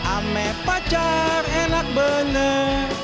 ame pacar enak bener